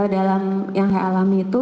dalam yang saya alami itu